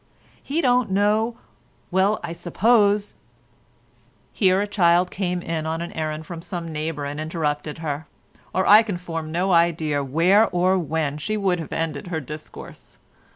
He don't know—well I suppose—" Here a child came in on an errand from some neighbour and interrupted her, or I can form no idea where or when she would have ended her discourse.